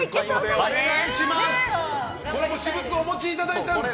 これも私物をお持ちいただいたんですね。